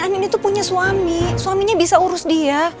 anindih itu punya suami suaminya bisa urus dia